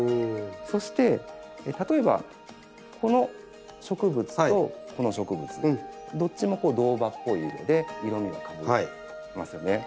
そして例えばこの植物とこの植物どっちも銅葉っぽい色で色みがかぶってますよね。